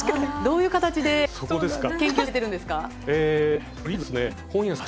どういう形で研究されているんですか？